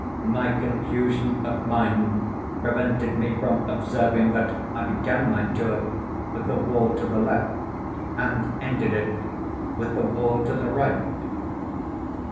My confusion of mind prevented me from observing that I began my tour with the wall to the left, and ended it with the wall to the right.